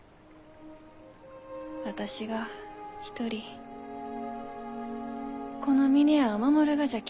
私が一人この峰屋を守るがじゃき。